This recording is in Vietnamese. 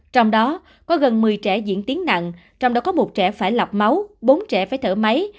trong đó có gần một mươi trẻ diễn tiến nặng trong đó có một trẻ phải lọc máu bốn trẻ phải thở máy